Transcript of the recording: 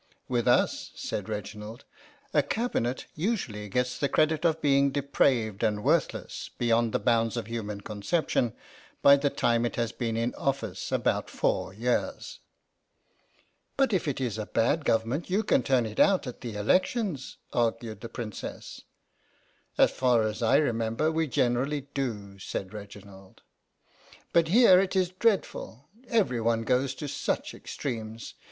With us," said Reginald, " a Cabinet usually gets the credit of being depraved and worthless beyond the bounds of human REGINALD IN RUSSIA 5 conception by the time it has been in office about four years." " But if it is a bad Government you can turn it out at the elections," argued the Princess. " As far as I remember, we generally do," said Reginald. " But here it is dreadful, every one goes to such extremes.